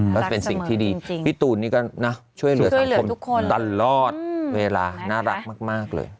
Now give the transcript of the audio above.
ก็เป็นสิ่งที่ดีพี่ตูนนี่ก็นะช่วยเหลือสังคมตลอดเวลาน่ารักมากเลย